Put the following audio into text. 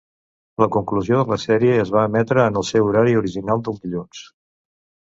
La conclusió de la sèrie es va emetre en el seu horari original del dilluns.